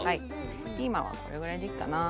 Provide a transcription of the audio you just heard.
ピーマンはこれぐらいでいいかな。